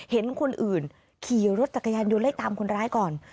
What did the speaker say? เห็นคนอื่นขี่รถจักรยานยนต์ไล่ตามคนร้ายก่อน